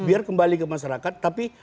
biar kembali ke masyarakat tapi